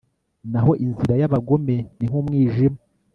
naho inzira y'abagome ni nk'umwijima